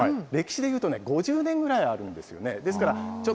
歴史で言うと、５０年ぐらいあるんですよね。